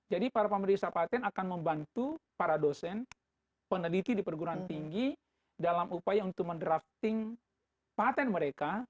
jadi para pemerintah patent akan membantu para dosen peneliti di perguruan tinggi dalam upaya untuk mendaftar patent mereka